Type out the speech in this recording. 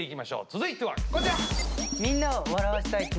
続いてはこちら。